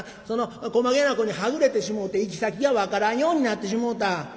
そのこまげな子にはぐれてしもうて行き先が分からんようになってしもうた。